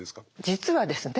実はですね